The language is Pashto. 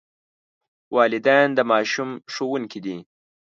والدین د ماشوم ښوونکي دي.